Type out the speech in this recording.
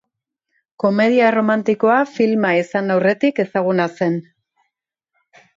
Komedia erromantikoa filma izan aurretik ezaguna zen.